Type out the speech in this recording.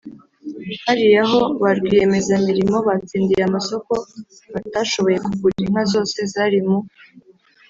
Hari aho ba rwiyemezamirimo batsindiye amasoko batashoboye kugura inka zose zari mu